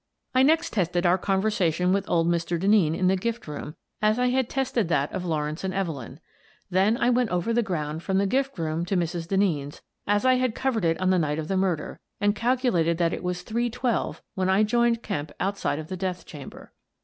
I next tested our conversation with old Mr. Den neen in the gift room as I had tested that of Law rence and Evelyn. Then I went over the ground from the gift room to Mrs. Denneen's, as I had covered it on the night of the murder, and calculated that it was three twelve when I joined Kemp outside of the death chamber.